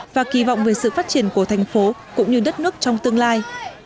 và kỳ vọng về sự phát triển của thành phố cũng như đất nước trong tương lai